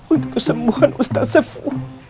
untuk kesembuhan ustaz sefu